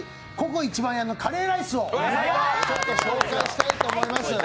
番屋のカレーライスを紹介したいと思います。